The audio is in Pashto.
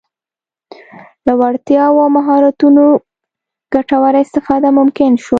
له وړتیاوو او مهارتونو ګټوره استفاده ممکن شول.